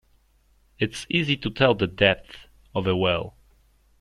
It's easy to tell the depth of a well.